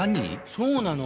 そうなの。